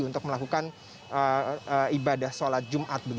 untuk melakukan ibadah sholat jumat